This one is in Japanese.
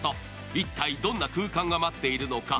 一体どんな空間が待っているのか。